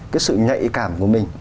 cái sự nhạy cảm của mình